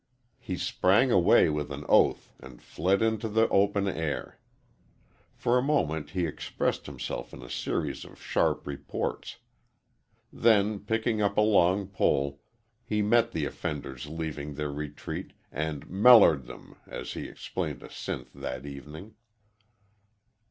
He sprang away with an oath and fled into the open air. For a moment he expressed himself in a series of sharp reports, Then, picking up a long pole, he met the offenders leaving their retreat, and "mellered" them, as he explained to Sinth that evening.